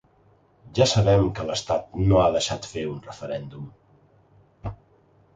Ja sabem que l’estat no ha deixat fer un referèndum.